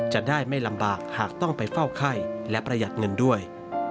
จะได้ไม่ลำบากหากต้องไปเฝ้าไข้และประหยัดเงินด้วย